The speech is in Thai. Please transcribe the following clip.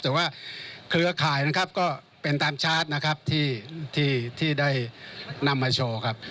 แต่ว่าเครือข่ายนะครับก็เป็นตามชาร์จนะครับที่ได้นำมาโชว์ครับ